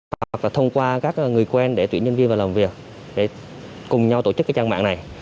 hoặc là thông qua các người quen để tuyển nhân viên vào làm việc để cùng nhau tổ chức cái trang mạng này